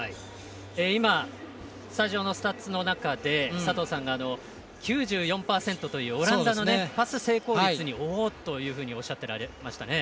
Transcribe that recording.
今、スタジオのスタッツの中で佐藤さんが９４％というオランダのパス成功率におお！というふうにおっしゃっておられましたね。